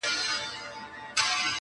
ترېنه جوړ امېل د غاړي د لیلا کړو.